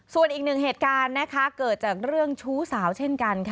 ส่วนอีกหนึ่งเหตุการณ์นะคะเกิดจากเรื่องชู้สาวเช่นกันค่ะ